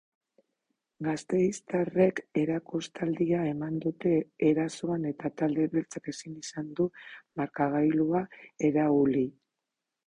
Gasteiztarrek erakustaldia eman dute erasoan eta talde beltzak ezin izan du markagailua irauli.